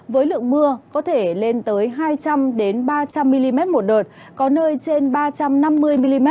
với lượng mưa có thể lên tới hai trăm linh ba trăm linh mm một đợt có nơi trên ba trăm năm mươi mm